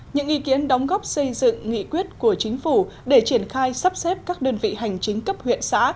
những ý kiến đóng góp xây dựng nghị quyết của chính phủ để triển khai sắp xếp các đơn vị hành chính cấp huyện xã